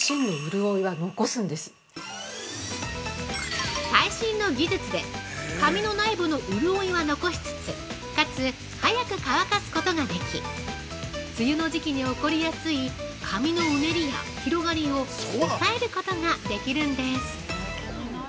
さらに◆最新の技術で髪の内部の潤いは残しつつ、かつ速く乾かすことができ、梅雨の時期に起こりやすい髪のうねりや広がりを抑えることができるんです。